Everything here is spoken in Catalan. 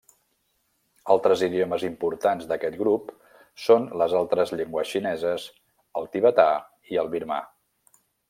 Altres idiomes importants d'aquest grup són les altres llengües xineses, el tibetà i el birmà.